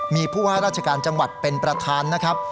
มีผู้ว่าราชการจังหวัดเป็นประธานนะครับ